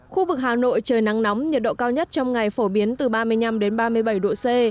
khu vực hà nội trời nắng nóng nhiệt độ cao nhất trong ngày phổ biến từ ba mươi năm ba mươi bảy độ c